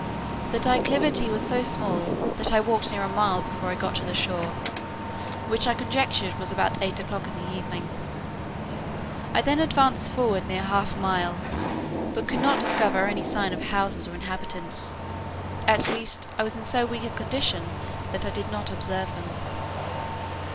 The declivity was so small, that I walked near a mile before I got to the shore, which I conjectured was about eight o'clock in the evening. I then advanced forward near half a mile, but could not discover any sign of houses or inhabitants; at least I was in so weak a condition, that I did not observe them.